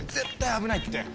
危ないって何が？